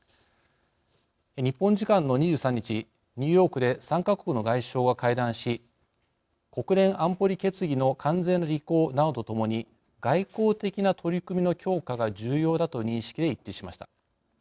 日本時間の２３日ニューヨークで３か国の外相が会談し国連安保理決議の完全な履行などとともに外交的な取り組みの強化が重要だという認識で一致しました。